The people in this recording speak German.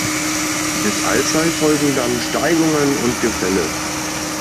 Bis Alzey folgen dann Steigungen und Gefälle.